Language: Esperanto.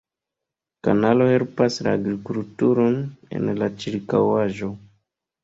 Kanalo helpas la agrikulturon en la ĉirkaŭaĵo.